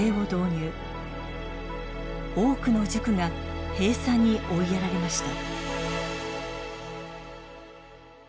多くの塾が閉鎖に追いやられました。